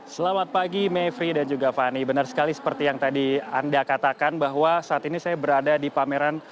selamat pagi mevri dan juga fani benar sekali seperti yang tadi anda katakan bahwa saat ini saya berada di pameran